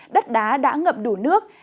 đất đá đã ngậm đủ nước